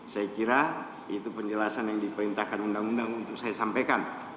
saya kira itu penjelasan yang diperintahkan undang undang untuk saya sampaikan